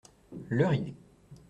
Leur idée.